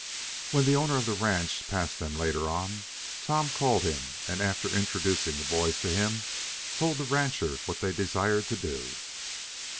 When the owner of the ranch passed them later on, Tom called him, and after introducing the boys to him, told the rancher what they desired to do.